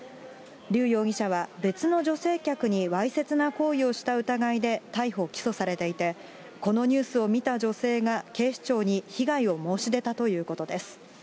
劉容疑者は別の女性客にわいせつな行為をした疑いで逮捕・起訴されていて、このニュースを見た女性が警視庁に被害を申し出たということです。